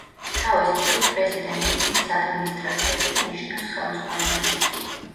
თავის მხრივ, პრეზიდენტი ქმნის ადმინისტრაციას და ნიშნავს ხელმძღვანელს.